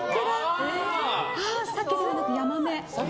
サケではなくヤマメ。